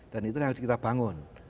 dan itu yang harus kita bangun